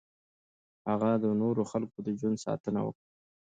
هغه د نورو خلکو د ژوند ساتنه وکړه.